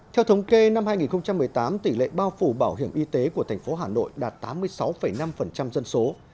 theo thống kê năm hai nghìn một mươi tám tỷ lệ bao phủ bảo hiểm y tế của thành phố hà nội đạt tám mươi sáu năm dân số